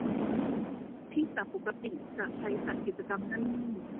ที่ปกติจะใช้จัดกิจกรรมนั่นนี่